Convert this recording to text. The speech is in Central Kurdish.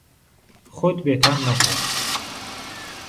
خۆت بێتام مەکە.